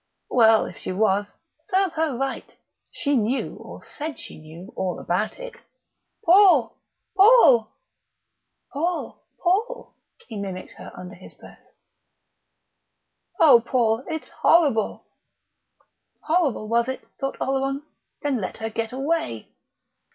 Well, if she was, serve her right; she knew, or said she knew, all about it.... "Paul!... Paul!..." "Paul!... Paul!..." He mimicked her under his breath. "Oh, Paul, it's horrible!..." Horrible, was it? thought Oleron. Then let her get away....